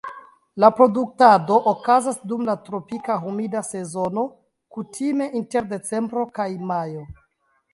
Reproduktado okazas dum la tropika humida sezono kutime inter decembro kaj majo.